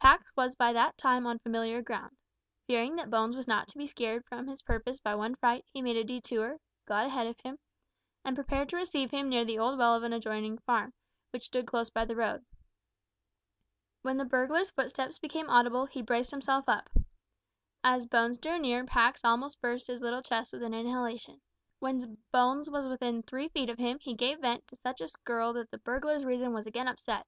Pax was by that time on familiar ground. Fearing that Bones was not to be scared from his purpose by one fright, he made a detour, got ahead of him, and prepared to receive him near the old well of an adjoining farm, which stood close by the road. When the burglar's footsteps became audible, he braced himself up. As Bones drew near Pax almost burst his little chest with an inhalation. When Bones was within three feet of him, he gave vent to such a skirl that the burglar's reason was again upset.